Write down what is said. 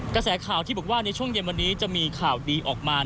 กระแสข่าวที่บอกว่าในช่วงเย็นวันนี้จะมีข่าวดีออกมา